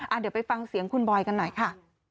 เดี๋ยวไปฟังเสียงคุณบอยกันหน่อยค่ะ